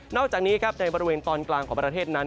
อกจากนี้ครับในบริเวณตอนกลางของประเทศนั้น